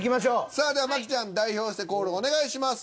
さあでは麻貴ちゃん代表してコールお願いします。